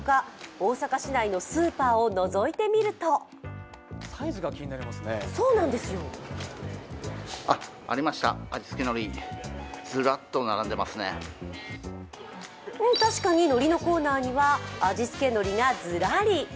大阪市内のスーパーをのぞいてみると確かにのりのコーナーには味付けのりがずらり。